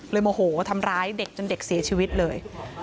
โมโหทำร้ายเด็กจนเด็กเสียชีวิตเลย